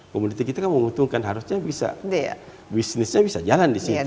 komoditi kita kan menguntungkan harusnya bisa bisnisnya bisa jalan di situ